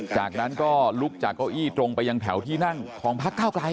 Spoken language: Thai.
จากนั้นก็ลุกจากเก้าอี้ตรงไปยังแถวที่นั่งของพักเก้าไกล